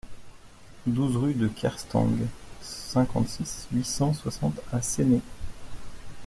douze rue de Kerstang, cinquante-six, huit cent soixante à Séné